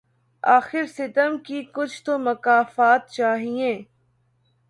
آخر ستم کی کچھ تو مکافات چاہیے